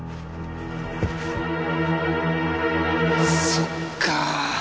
そっかあ。